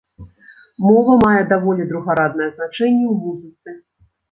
Мова мае даволі другараднае значэнне ў музыцы.